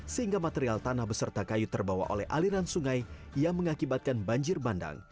sehingga material tanah beserta kayu terbawa oleh aliran sungai yang mengakibatkan banjir bandang